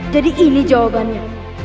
jadi ini jawabannya